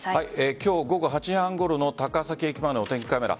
今日午後８時半ごろの高崎駅前のお天気カメラ。